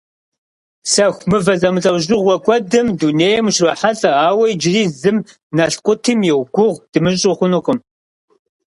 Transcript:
Сэху мывэ зэмылӀэужьыгъуэ куэдым дунейм ущрохьэлӀэ, ауэ иджыри зым налкъутым и гугъу дымыщӀу хъункъым.